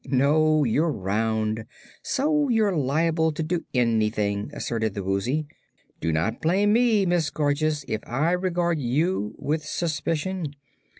"No; you're round, so you're liable to do anything," asserted the Woozy. "Do not blame me, Miss Gorgeous, if I regard you with suspicion.